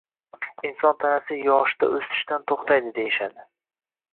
Inson tanasi yoshda o'sishdan to'xtaydi deyishadi.